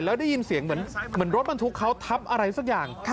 แล้วได้ยินเสียงเหมือนรถบรรทุกเขาทับอะไรสักอย่าง